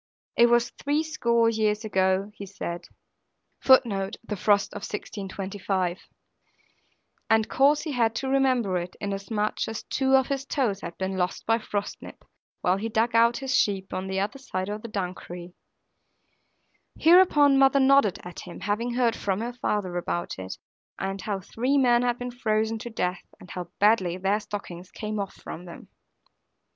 It was three score years agone,* he said; and cause he had to remember it, inasmuch as two of his toes had been lost by frost nip, while he dug out his sheep on the other side of the Dunkery. Hereupon mother nodded at him, having heard from her father about it, and how three men had been frozen to death, and how badly their stockings came off from them.